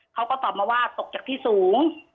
เขาก็ตอบมาว่าตกจากที่สูง